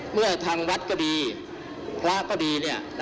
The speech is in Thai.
เมื่อทางวัดกดีพระกดี